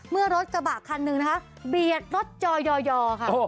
เมื่อรถกระบะคันหนึ่งนะคะเบียดรถจอยอยอค่ะ